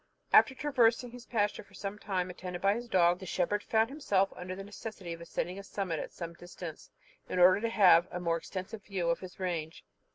After traversing his pasture for some time, attended by his dog, the shepherd found himself under the necessity of ascending a summit at some distance, in order to have a more extensive view of his range.